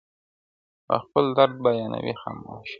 او خپل درد بيانوي خاموشه,